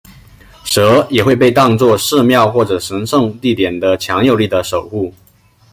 蛇也会被当做寺庙或者神圣地点的强有力的守护。